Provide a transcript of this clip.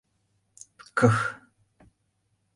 Кх!..